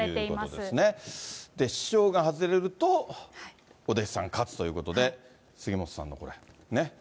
で、師匠が外れると、お弟子さん勝つということで、杉本さんのこれね。